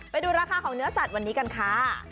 ไปดูราคาของเนื้อสัตว์วันนี้กันค่ะ